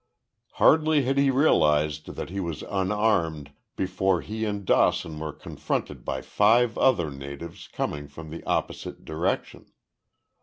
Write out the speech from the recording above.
Hardly had he realized that he was unarmed before he and Dawson were confronted by five other natives coming from the opposite direction.